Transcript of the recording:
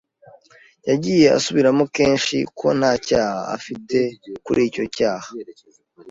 Yagiye asubiramo kenshi ko nta cyaha afite kuri icyo cyaha.